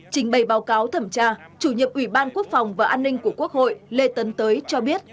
trình bày báo cáo thẩm tra chủ nhiệm ủy ban quốc phòng và an ninh của quốc hội lê tấn tới cho biết